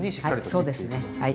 そうですねはい。